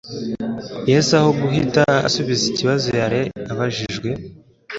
Yesu aho guhita asubiza ikibazo yari abajijwe,